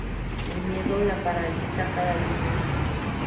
El miedo la paraliza cada vez más.